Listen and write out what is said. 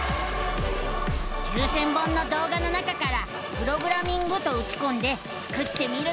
９，０００本の動画の中から「プログラミング」とうちこんでスクってみるのさ！